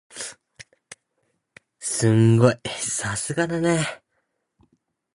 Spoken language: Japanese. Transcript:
すごい！さすがだね。